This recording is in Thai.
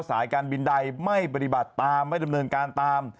สายการบินใดไม่ปฏิบัติตามไม่ดำเนินการตาม